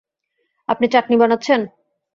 আপনি চাটনি বানাচ্ছেন?